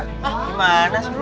hah gimana sih